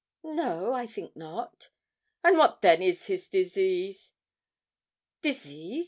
'No I think not.' 'And what then is his disease?' 'Disease!